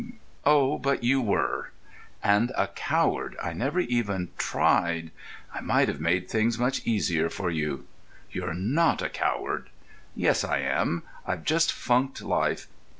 Oh, but you were!" "And a coward. I never even tried.... I might have made things much easier for you." "You're not a coward." "Yes, I am. I've just funked life.